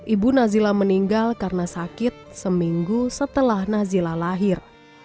ibu nazila meninggal karena sakit seminggu setelah nazila lahir